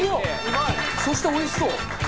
そしておいしそう！